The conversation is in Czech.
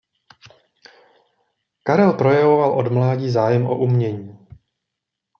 Karel projevoval od mládí zájem o umění.